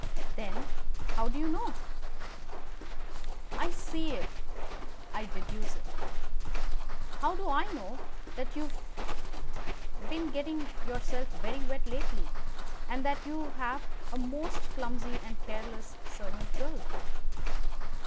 "Then how do you know?" "I see it, I deduce it. How do I know that you have been getting yourself very wet lately, and that you have a most clumsy and careless servant girl?"